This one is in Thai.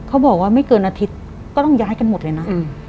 บอกว่าไม่เกินอาทิตย์ก็ต้องย้ายกันหมดเลยนะ